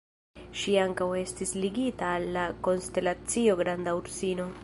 Ŝi ankaŭ estas ligita al la konstelacio Granda Ursino.